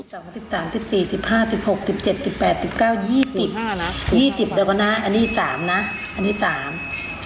๒๐เดี๋ยวก่อนนะอันนี้๓นะอันนี้๓๒๐อันนี้ก็๕ใบนะคะ